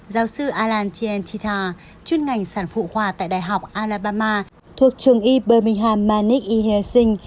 giáo sư alan chiantita chuyên ngành sản phụ khoa tại đại học alabama thuộc trường y birmingham manning y helsing